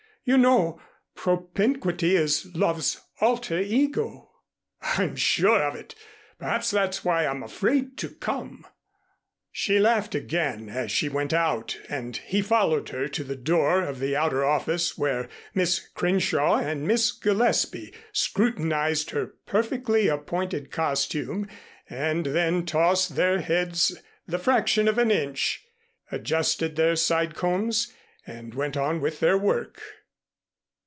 You know, propinquity is love's alter ego." "I'm sure of it. Perhaps that's why I'm afraid to come." She laughed again as she went out and he followed her to the door of the outer office where Miss Crenshaw and Miss Gillespie scrutinized her perfectly appointed costume and then tossed their heads the fraction of an inch, adjusted their sidecombs and went on with their work.